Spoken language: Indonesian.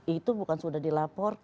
itu bukan sudah dilaporkan